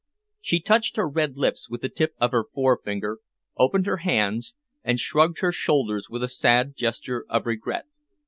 She touched her red lips with the tip of her forefinger, opened her hands, and shrugged her shoulders with a sad gesture of regret.